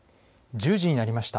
１０時になりました。